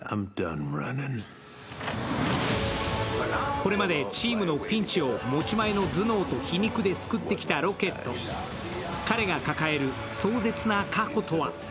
これまでチームのピンチを持ち前の頭脳と皮肉で救ってきたロケット彼が抱える壮絶な過去とは？